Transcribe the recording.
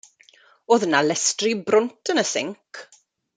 O'dd 'na lestri brwnt yn y sinc.